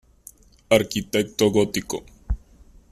Arquitecto gótico.